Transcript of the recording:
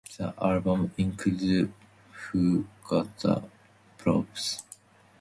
The album included Who Got Da Props?